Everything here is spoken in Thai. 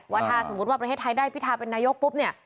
ว่าถ้าสมมุติว่าประเทศไทยได้พิทาเป็นนายกปุ๊บเนี่ย